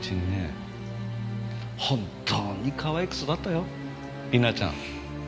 本当にかわいく育ったよ里奈ちゃん。